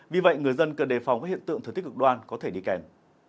vì vậy người dân cần đề phòng các hiện tượng thời tiết cực đoan có thể đi kèm